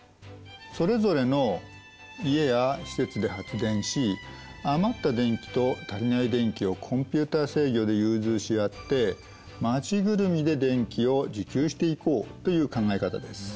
それぞれの家や施設で発電し余った電気と足りない電気をコンピューター制御で融通し合って町ぐるみで電気を自給していこうという考え方です。